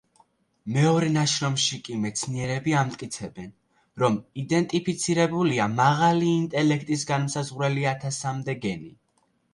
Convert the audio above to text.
მეორე ნაშრომში კი მეცნიერები ამტკიცებენ, რომ იდენტიფიცირებულია მაღალი ინტელექტის განმსაზღვრელი ათასამდე გენი.